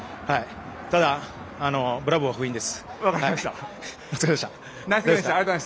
ただ、ブラボーは封印です。